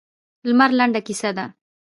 لمر لنډه کیسه ده.